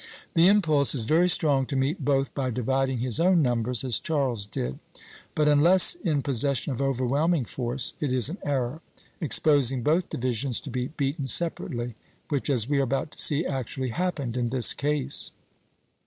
The impulse is very strong to meet both by dividing his own numbers as Charles did; but unless in possession of overwhelming force it is an error, exposing both divisions to be beaten separately, which, as we are about to see, actually happened in this case.